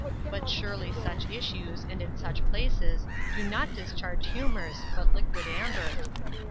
But surely such issues, and in such places, do not discharge humours, but liquid amber.